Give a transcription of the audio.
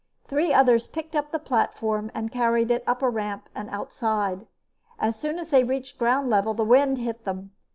Three others picked up the platform and carried it up a ramp and outside. As soon as they reached ground level, the wind hit them.